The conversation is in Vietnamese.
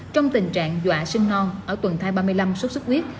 trong tình trạng dọa sinh non ở tuần thai ba mươi năm sốt sốt huyết